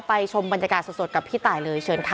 ชมบรรยากาศสดกับพี่ตายเลยเชิญค่ะ